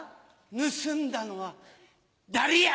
盗んだのはダリや！